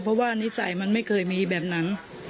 เพราะว่านิสัยมันไม่เคยมีแบบหนัง